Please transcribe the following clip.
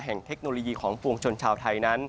เทคโนโลยีของปวงชนชาวไทยนั้น